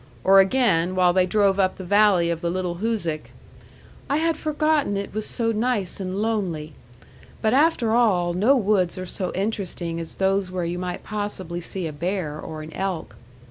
Or again, while they drove up the valley of the little Hoosic: "I had forgotten it was so nice and lonely. But after all, no woods are so interesting as those where you might possibly see a bear or an elk."